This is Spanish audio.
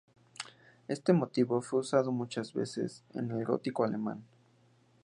Este motivo fue usado muchas veces en el gótico alemán.